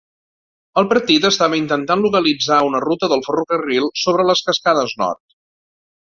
El partit estava intentant localitzar una ruta del ferrocarril sobre les cascades nord.